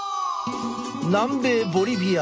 南米ボリビア。